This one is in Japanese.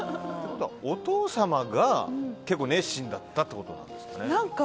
お父様が結構熱心だったということですね。